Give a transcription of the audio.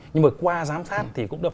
nhưng mà qua giám sát thì cũng đúng là